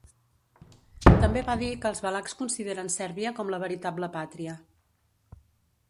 També va dir que els valacs consideren Sèrbia com la veritable pàtria.